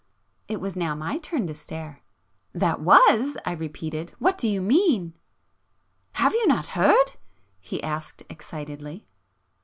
It was now my turn to stare. "That was?" I repeated—"What do you mean?" "Have you not heard?" he asked excitedly.